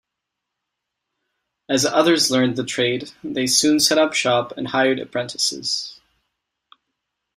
As others learned the trade, they soon set up shop and hired apprentices.